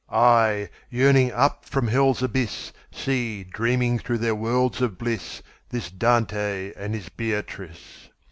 I, yearning up from Hell's abyss, See, dreaming through their worlds of bliss, This Dante and his Beatrice!